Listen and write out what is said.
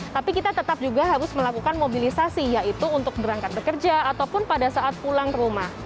tapi kita tetap juga harus melakukan mobilisasi yaitu untuk berangkat bekerja ataupun pada saat pulang ke rumah